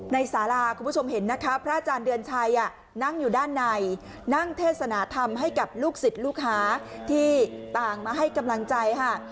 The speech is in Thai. สาราคุณผู้ชมเห็นนะคะพระอาจารย์เดือนชัยนั่งอยู่ด้านในนั่งเทศนาธรรมให้กับลูกศิษย์ลูกหาที่ต่างมาให้กำลังใจค่ะ